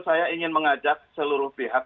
saya ingin mengajak seluruh pihak